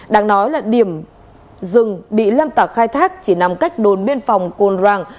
đáng nói là điểm rừng bị lâm tạc khai thác chỉ nằm cách đồn biên phòng côn rang